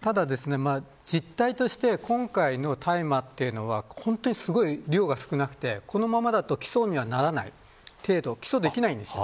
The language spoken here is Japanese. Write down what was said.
ただ実態として今回の大麻というのはすごく量が少なくてこのままだと起訴にはならない起訴できないんです。